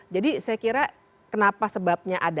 jadi saya kira kenapa sebabnya ada